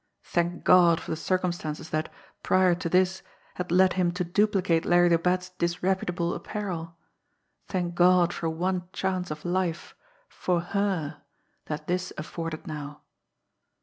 Thank God for the circumstances that, prior to this, had led him to duplicate Larry the Bat's disreputable apparel; thank God for one chance of life for her that this afforded now.